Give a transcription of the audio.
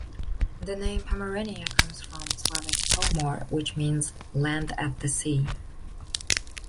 The name "Pomerania" comes from Slavic "po more", which means "Land at the Sea.